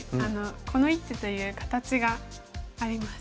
この一手という形があります。